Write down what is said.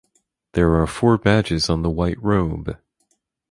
There are four badges on the white robe.